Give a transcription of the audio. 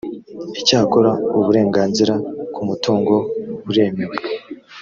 icyakora uburenganzira ku mutungo buremewe